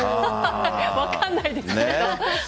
分からないですけど。